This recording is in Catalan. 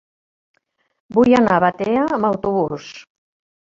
Vull anar a Batea amb autobús.